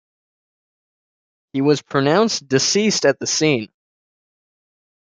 He was pronounced deceased at the scene.